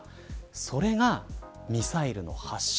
それがミサイルの発射。